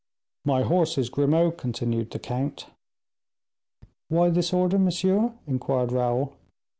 "My horses, Grimaud," continued the count. "Why this order, monsieur?" inquired Raoul.